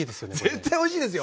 絶対おいしいですよ！